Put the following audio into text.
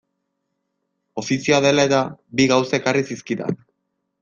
Ofizioa dela-eta, bi gauza ekarri zizkidan.